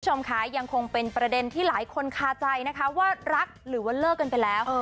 คุณผู้ชมค่ะยังคงเป็นประเด็นที่หลายคนคาใจนะคะว่ารักหรือว่าเลิกกันไปแล้ว